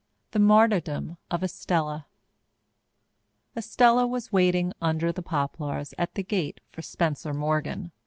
The Martyrdom of Estella Estella was waiting under the poplars at the gate for Spencer Morgan.